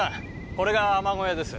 これが海女小屋です。